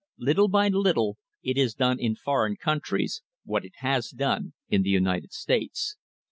Little by little it has done in foreign countries what it has done in the United States.